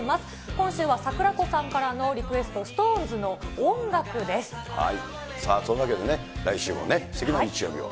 今週は桜子さんからのリクエスト、そういうわけでね、来週もね、すてきな日曜日を。